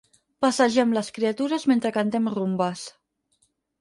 Passegem les criatures mentre cantem rumbes.